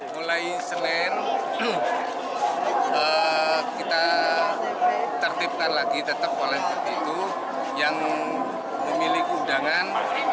mulai senin kita tertipkan lagi tetap oleh begitu yang memiliki undangan